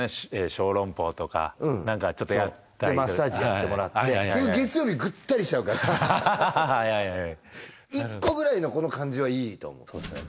小籠包とか何かちょっとやったりマッサージやってもらって結局月曜日ぐったりしちゃうからはいはい１個ぐらいのこの感じはいいと思うそうですね